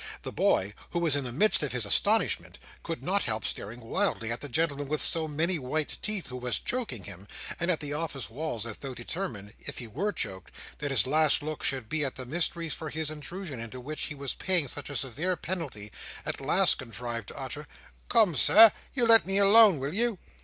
The boy, who in the midst of his astonishment could not help staring wildly at the gentleman with so many white teeth who was choking him, and at the office walls, as though determined, if he were choked, that his last look should be at the mysteries for his intrusion into which he was paying such a severe penalty, at last contrived to utter— "Come, Sir! You let me alone, will you!"